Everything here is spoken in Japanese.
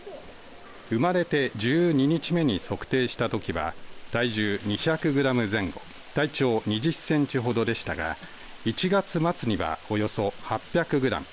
生まれて１２日目に測定したときは体重２００グラム前後体長２０センチほどでしたが１月末にはおよそ８００グラム。